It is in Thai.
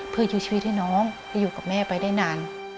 เพื่อยื้อชีวิตให้น้องได้อยู่กับแม่ไปได้นาน